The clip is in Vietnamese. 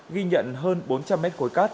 ghi nhận hơn bốn trăm linh mét khối cát